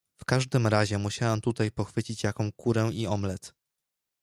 "W każdym razie musiałem tutaj pochwycić jaką kurę i omlet."